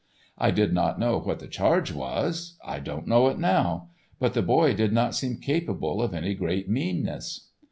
I did not know what the charge was, I don't know it now,—but the boy did not seem capable of any great meanness.